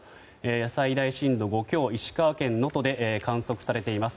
最大震度５強、石川県能登で観測されています。